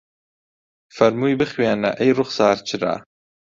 فەرمووی بخوێنە ئەی ڕوخسار چرا